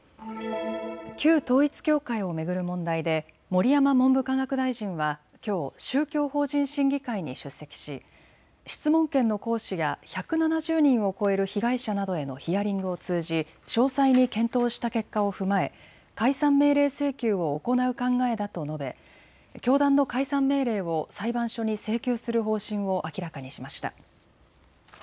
旧統一教会を巡る問題で盛山文部科学大臣はきょう、宗教法人審議会に出席し質問権の行使や１７０人を超える被害者などへのヒアリングを通じ詳細に検討した結果を踏まえ解散命令請求を行う考えだと述べ教団の解散命令を裁判所に請求する方針を明らかにしました。